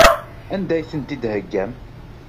Anda ay tent-id-theyyam?